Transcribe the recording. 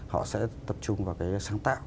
họ sẽ tập trung vào cái sáng tạo